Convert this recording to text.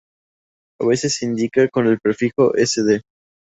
A veces se indica con el prefijo "sd".